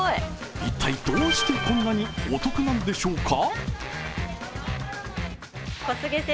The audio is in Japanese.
一体、どうしてこんなにお得なんでしょうか？